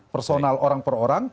personal orang per orang